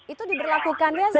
itu diberlakukannya se